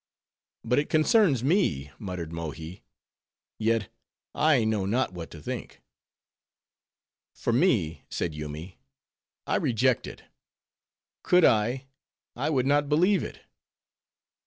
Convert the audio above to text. "But it concerns me," muttered Mohi; "yet I know not what to think." "For me," said Yoomy, "I reject it. Could I, I would not believe it.